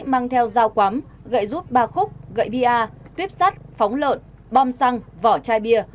mang theo dao quắm gậy giúp ba khúc gậy bia tuyếp sắt phóng lợn bom xăng vỏ chai bia